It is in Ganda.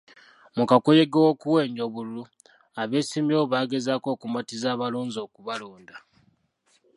Mu kakuyege w'okuwenja obululu, abeesimbyewo bagezaako okumatiza abalonzi okubalonda.